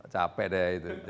capek deh itu